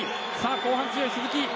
後半強い鈴木。